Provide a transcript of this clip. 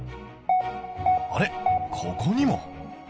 あれここにも？